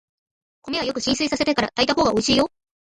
米はよく浸水させてから炊いたほうがおいしいよ。